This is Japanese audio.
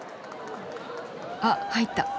あっ入った。